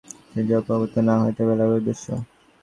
যদি প্রভুত্ব না হয়, তবে লাভের উদ্দেশ্য।